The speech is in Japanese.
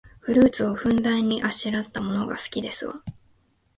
フルーツをふんだんにあしらったものが好きですわ